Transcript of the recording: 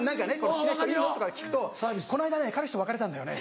「好きな人いるの？」とか聞くと「この間彼氏と別れたんだよね」。